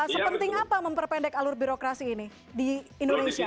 sepenting apa memperpendek alur birokrasi ini di indonesia